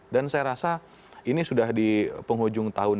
dan saya rasa ini sudah di penghujung tahun